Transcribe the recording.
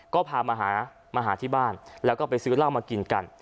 ก็พามาหามาหาที่บ้านแล้วก็ไปซื้อเหล้ามากินกัน